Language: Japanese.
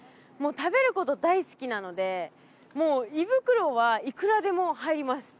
食べること大好きなのでもう胃袋はいくらでも入ります